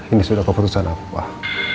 ini sudah keputusan aku pak